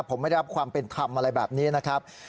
ผมไม่ได้รับความเป็นธรรมอะไรแบบนี้นะครับ